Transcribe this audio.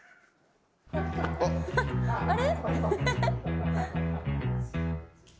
あれ？